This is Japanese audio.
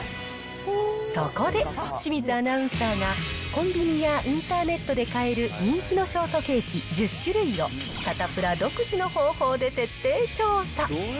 そこで、清水アナウンサーが、コンビニやインターネットで買える人気のショートケーキ１０種類をサタプラ独自の方法で徹底調査。